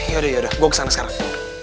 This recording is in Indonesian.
yaudah yaudah gue kesana sekarang